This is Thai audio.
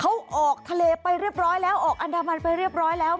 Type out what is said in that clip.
เขาออกทะเลไปเรียบร้อยแล้วออกอันดามันไปเรียบร้อยแล้ว